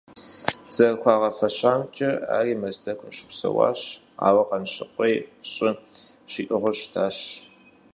ЗэрыхуагъэфащэмкӀэ, ари Мэздэгу щыпсэуащ, ауэ Къаншыуей щӀы щиӀыгъыу щытащ.